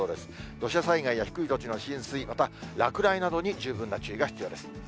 土砂災害や低い土地の浸水、また落雷などに十分な注意が必要です。